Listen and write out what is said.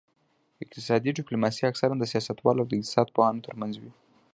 اقتصادي ډیپلوماسي اکثراً د سیاستوالو او اقتصاد پوهانو ترمنځ وي